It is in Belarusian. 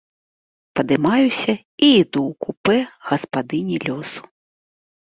Падымаюся і іду ў купэ гаспадыні лёсу.